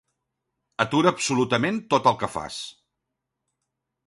Atura absolutament tot el que fas.